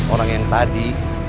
orang yang tadi